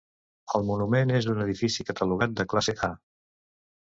El monument és un edifici catalogat de classe A.